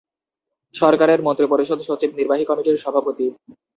সরকারের মন্ত্রিপরিষদ সচিব নির্বাহী কমিটির সভাপতি।